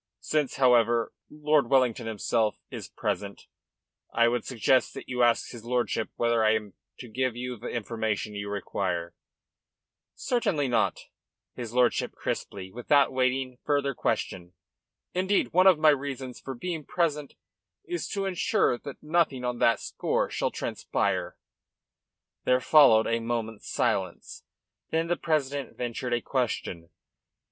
Since, however, Lord Wellington himself is present, I would suggest that you ask his lordship whether I am to give you the information you require." "Certainly not," said his lordship crisply, without awaiting further question. "Indeed, one of my reasons for being present is to ensure that nothing on that score shall transpire." There followed a moment's silence. Then the president ventured a question.